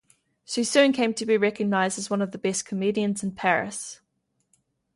She soon came to be recognized as one of the best comedians in Paris.